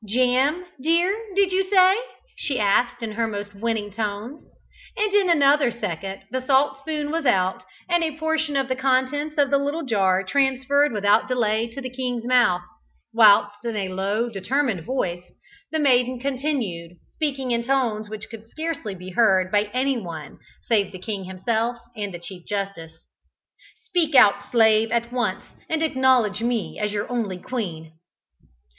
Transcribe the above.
"Jam, dear, did you say?" she asked in her most winning tones, and in another second the salt spoon was out, and a portion of the contents of the little jar transferred without delay to the king's mouth, whilst in a low, determined voice, the maiden continued, speaking in tones which could scarcely be heard by anyone save the king himself and the Chief Justice. "Speak out, slave, at once, and acknowledge me as your only queen."